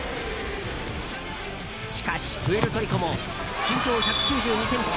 しかし、プエルトリコも身長１９２ｃｍ